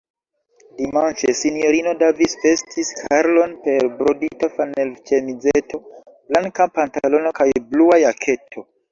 Dimanĉe S-ino Davis vestis Karlon per brodita flanelĉemizeto., blanka pantalono kaj blua jaketo.